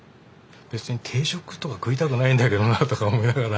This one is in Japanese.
「別に定食とか食いたくないんだけどな」とか思いながら。